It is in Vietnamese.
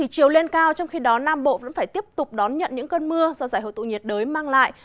chiều lên cao trong khi đó nam bộ vẫn phải tiếp tục đón nhận những cơn mưa do giải hội tụ nhiệt đới mang lại